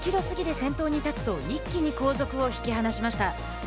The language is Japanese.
２キロ過ぎで先頭に立つと一気に後続を引き離しました。